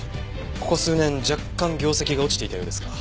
ここ数年若干業績が落ちていたようですが。